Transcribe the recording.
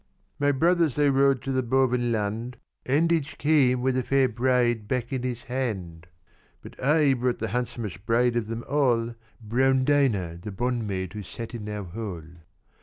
"My brothers they rode to the Bovenland, And each came with a fair bride back in his hand; But I brought the handsomest bride of them all Brown Dinah, the bondmaid who sat in our hall.